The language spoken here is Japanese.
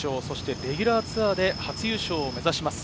レギュラーツアーで初優勝を目指します。